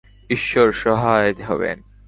ঈশ্বর সহায় হবেন।